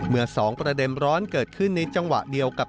เมื่อ๒ประเด็นร้อนเกิดขึ้นในจังหวะเดียวกับ